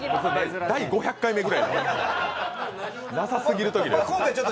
第５００回目ぐらいなさすぎるとき。